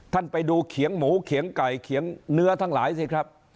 ท่านไปดูเขียงหมูเขียงไก่เขียงเนื้อทั้งหลายสิครับ